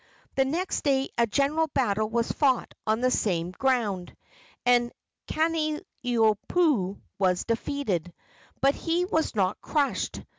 The next day a general battle was fought on the same ground, and Kalaniopuu was defeated. But he was not crushed.